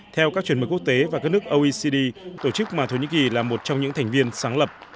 theo các chuẩn mực quốc tế và các nước oecd tổ chức mà thổ nhĩ kỳ là một trong những thành viên sáng lập